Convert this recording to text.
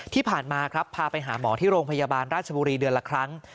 ที่ผ่านมาครับพาไปหาหมอที่โรงพยาบาลราชบุรีเดือนละครั้ง